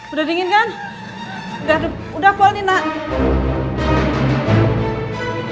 udah dingin kan udah udah kondi naik